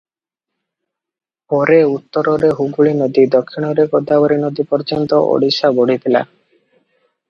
ପରେ ଉତ୍ତରରେ ହୁଗୁଳୀ ନଦୀ, ଦକ୍ଷିଣରେ ଗୋଦାବରୀ ନଦୀ ପର୍ଯ୍ୟନ୍ତ ଓଡିଶା ବଢିଥିଲା ।